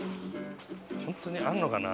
ホントにあるのかな？